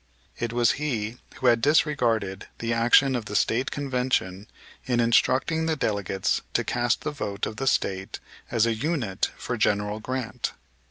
It was he who had disregarded the action of the State Convention in instructing the delegates to cast the vote of the State as a unit for General Grant.